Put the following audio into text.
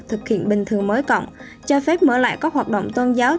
thực hiện bình thường mới cộng cho phép mở lại các hoạt động tôn giáo